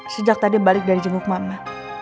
sejak tadi balik dari jenguk makna